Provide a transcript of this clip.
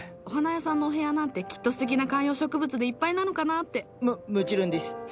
お花屋さんのお部屋なんてきっとすてきな観葉植物でいっぱいなのかなって。ももちろんです。